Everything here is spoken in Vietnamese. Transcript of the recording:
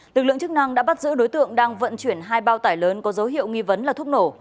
lực lượng chức năng đã bắt giữ đối tượng đang vận chuyển hai bao tải lớn có dấu hiệu nghi vấn là thuốc nổ